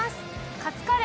カツカレー。